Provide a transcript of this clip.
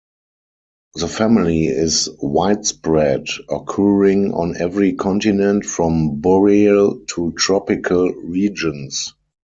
The family is widespread, occurring on every continent from boreal to tropical regions.